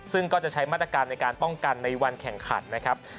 ซึ่งก็จะใช้มาตรการในการป้องกันในวันแข่งขันนะครับ